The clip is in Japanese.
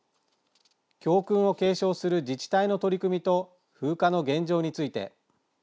教訓を継承する自治体の取り組みと風化の現状について。